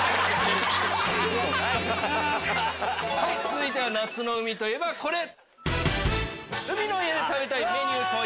続いては夏の海といえばこれ！